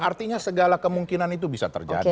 artinya segala kemungkinan itu bisa terjadi